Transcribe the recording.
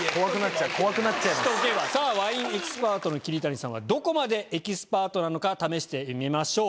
さぁワインエキスパートの桐谷さんはどこまでエキスパートなのか試してみましょう。